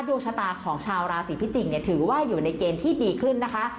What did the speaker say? ดวงชะตาของชาวราศีพิจิกษ์ถือว่าอยู่ในเกณฑ์ที่ดีขึ้นนะคะ